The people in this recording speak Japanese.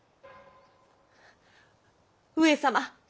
上様。